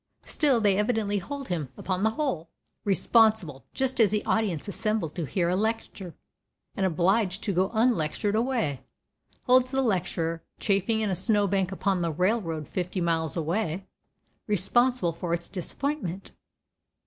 Still, they evidently hold him, upon the whole, responsible, just as an audience assembled to hear a lecture, and obliged to go unlectured away, holds the lecturer chafing in a snow bank upon the railroad fifty miles away responsible for its disappointment.